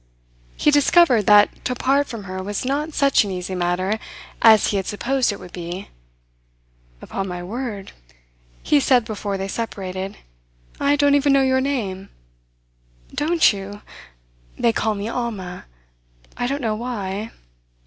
He discovered that to part from her was not such an easy matter as he had supposed it would be. "Upon my word," he said before they separated, "I don't even know your name." "Don't you? They call me Alma. I don't know why.